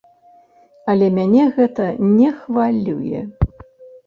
Але мяне гэта не хвалюе.